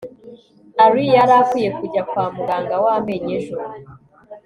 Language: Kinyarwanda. ally yari akwiye kujya kwa muganga w'amenyo ejo